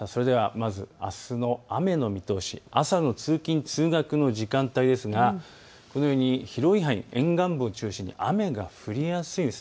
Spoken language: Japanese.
まず、あすの雨の見通し、朝の通勤通学の時間帯ですがこのように広い範囲、沿岸部を中心に雨が降りやすいです。